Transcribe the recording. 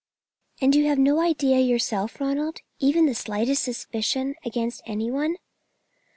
"And you have no idea yourself, Ronald, not even the slightest suspicion, against any one?"